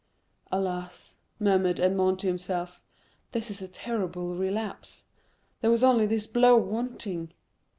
"Alas," murmured Edmond to himself, "this is a terrible relapse! There was only this blow wanting."